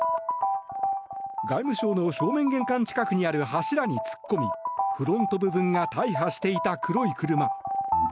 外務省の正面玄関近くにある柱に突っ込みフロント部分が大破していた黒い車。